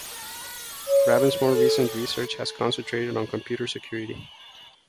Rabin's more recent research has concentrated on computer security.